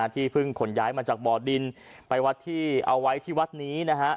ที่เพิ่งขนย้ายมาจากบ่อดินไปวัดที่เอาไว้ที่วัดนี้